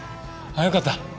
ああよかった。